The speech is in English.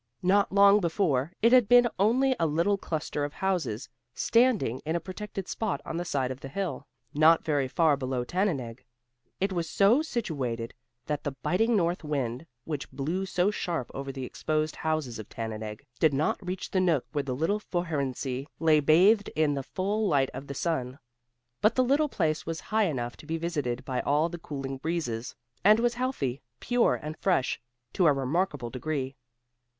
Not long before, it had been only a little cluster of houses standing in a protected spot on the side of the hill, not very far below Tannenegg. It was so situated that the biting north wind, which blew so sharply over the exposed houses of Tannenegg, did not reach the nook where little Fohrensee lay bathed in the full light of the sun. But the little place was high enough to be visited by all the cooling breezes, and was healthy, pure and fresh, to a remarkable degree.